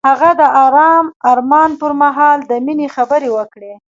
هغه د آرام آرمان پر مهال د مینې خبرې وکړې.